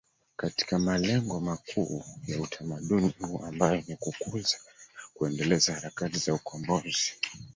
katika malengo makuu ya utamaduni huu ambayo ni Kukuza na kuendeleza harakati za ukombozi